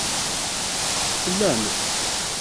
Tellam?